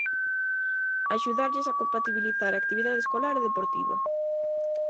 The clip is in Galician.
Axudarlles a compatibilizar a actividade escolar e deportiva.